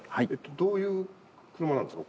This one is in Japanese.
どういう車なんですか？